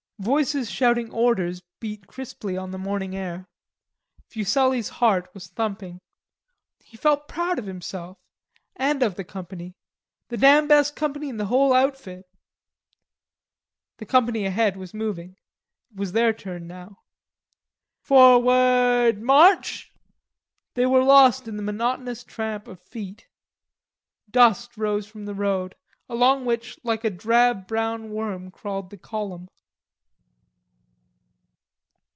Voices shouting orders beat crisply on the morning air. Fuselli's heart was thumping. He felt proud of himself and of the company the damn best company in the whole outfit. The company ahead was moving, it was their turn now. "Forwa ard, march!" They were lost in the monotonous tramp of feet. Dust rose from the road, along which like a drab brown worm crawled the column.